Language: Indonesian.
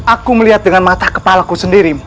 aku melihat dengan mata kepala ku sendiri